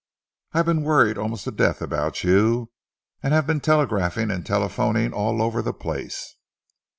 I have been worried almost to death about you, and have been telegraphing and telephoning all over the place.